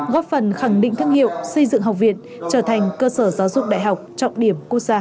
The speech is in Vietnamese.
góp phần khẳng định thương hiệu xây dựng học viện trở thành cơ sở giáo dục đại học trọng điểm quốc gia